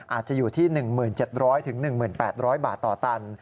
อาจจะอยู่ที่๑๗๐๐๑๘๐๐บาทต่อตัน